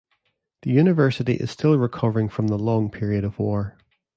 The university is still recovering from the long period of war.